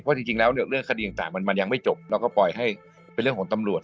เพราะจริงแล้วเนี่ยเรื่องคดีต่างมันยังไม่จบเราก็ปล่อยให้เป็นเรื่องของตำรวจ